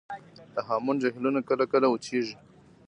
د هامون جهیلونه کله کله وچیږي